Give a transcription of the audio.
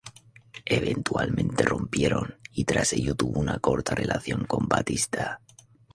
Eventualmente rompieron, y tras ello tuvo una corta relación con Batista.